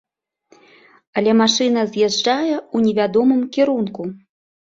Але машына з'язджае ў невядомым кірунку.